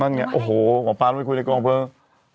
มั่นไงโอ้โหหมอปลามาไปคุยในกองเพลิง